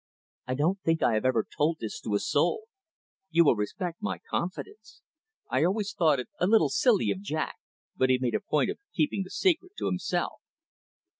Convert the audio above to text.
"I don't think I have ever told this to a soul. You will respect my confidence. I always thought it a little silly of Jack, but he made a point of keeping the secret to himself."